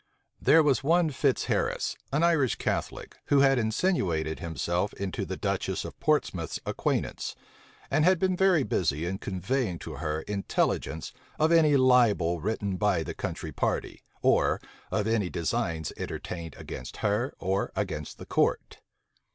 There was one Fitzharris, an Irish Catholic, who had insinuated himself into the duchess of Portsmouth's acquaintance, and had been very busy in conveying to her intelligence of any libel written by the country party, or of any designs entertained against her or against the court.